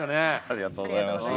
ありがとうございます。